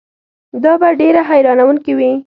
دا به ډېره حیرانوونکې وي.